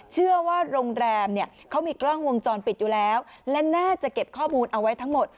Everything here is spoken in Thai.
เชื่อว่าโรงแรมเนี่ยเขามีกล้องวงจรปิดอยู่แล้วและน่าจะเก็บข้อมูลเอาไว้ทั้งหมด